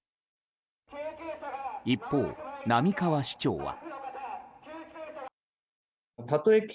一方、並河市長は。